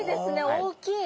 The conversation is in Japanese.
大きい。